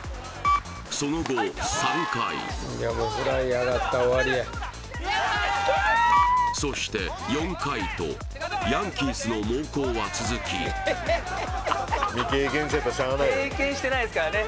その後３回そして４回とヤンキースの猛攻は続き未経験者やったらしゃあないよ経験してないすからね